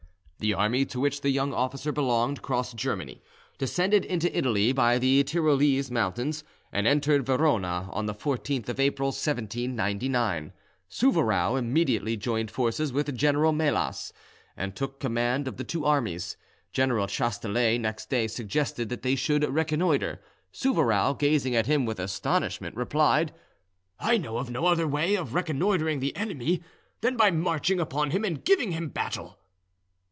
The army to which the young officer belonged crossed Germany, descended into Italy by the Tyrolese mountains, and entered Verona on the 14th of April 1799. Souvarow immediately joined forces with General Melas, and took command of the two armies. General Chasteler next day suggested that they should reconnoitre. Souvarow, gazing at him with astonishment, replied, "I know of no other way of reconnoitring the enemy than by marching upon him and giving him battle."